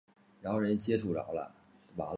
拟蚕豆岩黄耆为豆科岩黄耆属下的一个种。